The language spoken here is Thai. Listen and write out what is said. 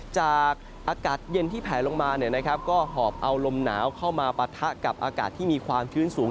จากอากาศเย็นที่แผลลงมาก็หอบเอาลมหนาวเข้ามาปะทะกับอากาศที่มีความชื้นสูง